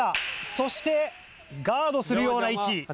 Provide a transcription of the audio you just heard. そしてガードするような位置。